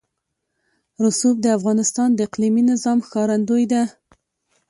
رسوب د افغانستان د اقلیمي نظام ښکارندوی ده.